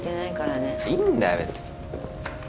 いいんだよ別に。